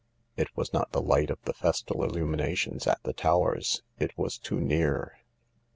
It was not the light of the festal illuminations at the Towers, it was too near.